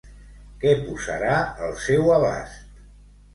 Què posarà al seu abast?